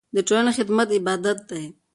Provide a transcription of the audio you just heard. د ټولنې خدمت عبادت دی.